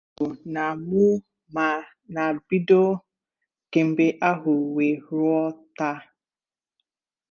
Ọ bụrụ na mụ ma na bido kemgbe ahụ wee ruo taa